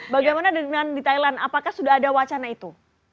bagaimana dengan di thailand apakah sudah ada wacana itu